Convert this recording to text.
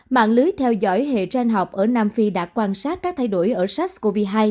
mạng lưới theo dõi hệ trang học ở nam phi đã quan sát các thay đổi ở sars cov hai